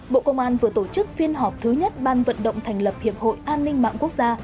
bộ công an vừa tổ chức phiên họp thứ nhất ban vận động thành lập hiệp hội an ninh mạng quốc gia